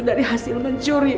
dari hasil mencuri pak